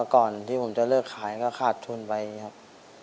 ก่อนที่ผมจะเลิกขายค่าดทุนไปครับ